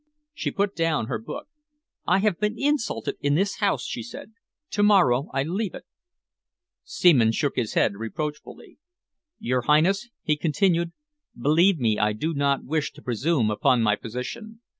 She put down her book. "I have been insulted in this house," she said. "To morrow I leave it." Seaman shook his head reproachfully. "Your Highness," he continued, "believe me, I do not wish to presume upon my position.